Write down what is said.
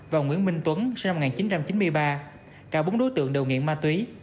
và nguyễn minh tuấn sinh năm một nghìn chín trăm chín mươi ba cả bốn đối tượng đều nghiện ma túy